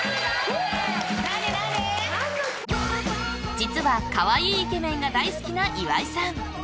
実は可愛いイケメンが大好きな岩井さん。